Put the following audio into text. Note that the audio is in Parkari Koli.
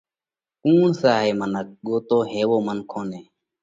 ڪُوڻ سئہ هائي منک؟ ڳوتو هيوون منکون نئہ